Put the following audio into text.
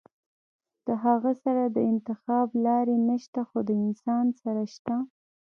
د هغه سره د انتخاب لارې نشته خو د انسان سره شته -